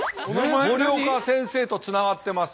森岡先生とつながってます。